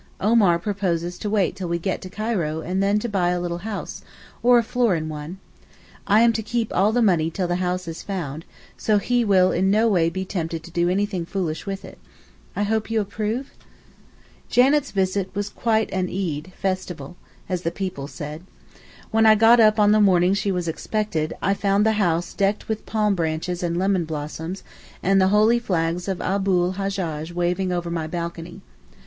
Omar proposes to wait till we get to Cairo and then to buy a little house, or a floor in one. I am to keep all the money till the house is found, so he will in no way be tempted to do anything foolish with it. I hope you approve? Janet's visit was quite an Eed (festival), as the people said. When I got up on the morning she was expected, I found the house decked with palm branches and lemon blossoms, and the holy flags of Abu l Hajjaj waving over my balcony.